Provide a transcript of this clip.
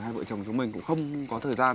hai vợ chồng chúng mình cũng không có thời gian